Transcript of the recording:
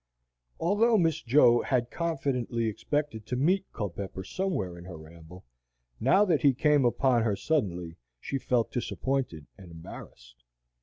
Although Miss Jo had confidently expected to meet Culpepper somewhere in her ramble, now that he came upon her suddenly, she felt disappointed and embarrassed.